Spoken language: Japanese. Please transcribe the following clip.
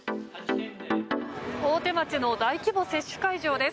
大手町の大規模接種会場です。